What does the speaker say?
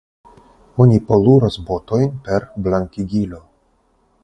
Oni poluras botojn per blankigilo.